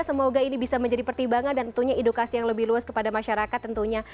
semoga ini bisa menjadi pertimbangan dan tentunya edukasi yang lebih luas kepada masyarakat tentunya